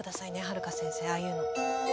はるか先生ああいうの。